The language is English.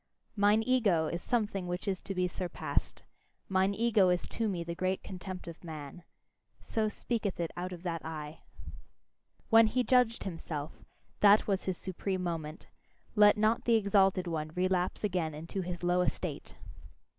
"Mine ego is something which is to be surpassed: mine ego is to me the great contempt of man": so speaketh it out of that eye. When he judged himself that was his supreme moment; let not the exalted one relapse again into his low estate!